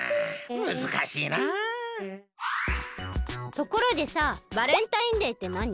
ところでさバレンタインデーってなに？